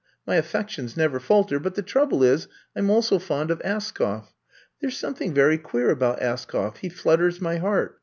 My affections never falter; but the trouble is, I 'm also fond of Askoff. There 's some thing very queer about Askoff, he flutters my heart.